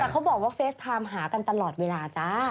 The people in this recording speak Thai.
แต่เขาบอกว่าเฟสไทม์หากันตลอดเวลาจ้า